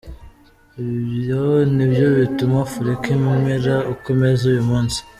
Ibyo ni byo bituma Afurika imera uko imeze uyu munsi.